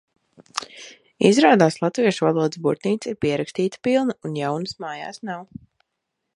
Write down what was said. Izrādās latviešu valodas burtnīca ir pierakstīta pilna, un jaunas mājās nav.